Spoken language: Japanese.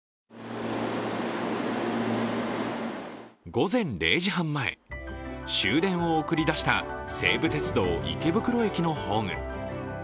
午前０時半前、終電を送り出した西武鉄道・池袋駅のホーム。